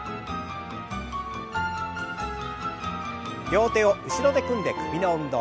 両手を後ろで組んで首の運動。